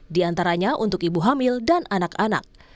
di antaranya untuk ibu hamil dan anak anak